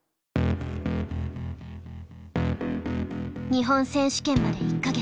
日本選手権まで１か月。